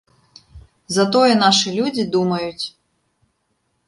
Затое нашы людзі думаюць.